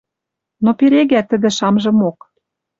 Но перегӓ тӹдӹ шамжымок.